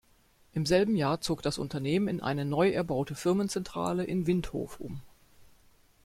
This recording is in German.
Im selben Jahr zog das Unternehmen in eine neu erbaute Firmenzentrale in Windhof um.